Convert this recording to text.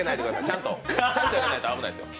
ちゃんとやらないと危ないですよ。